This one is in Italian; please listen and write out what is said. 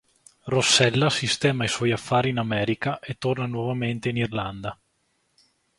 Rossella sistema i suoi affari in America e torna nuovamente in Irlanda.